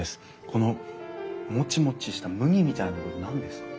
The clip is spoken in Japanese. このもちもちした麦みたいなの何ですか？